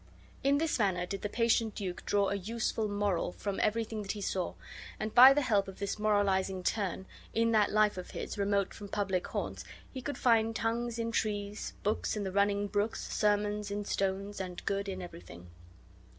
In this manner did the patient duke draw a useful moral from everything that he saw; and by the help of this moralizing turn, in that life of his, remote from public haunts, he could find tongues in trees, books in the running brooks, sermons in stones, and good in everything.